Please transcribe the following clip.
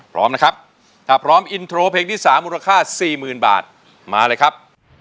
พร้อมนะครับถ้าพร้อมอินโทรเพลงที่๓มูลค่า๔๐๐๐บาทมาเลยครับ